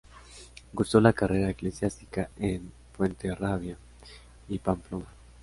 Cursó la carrera eclesiástica en Fuenterrabía y Pamplona.